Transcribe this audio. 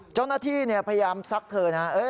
เจ้าหน้าที่พยายามซักเธอนะ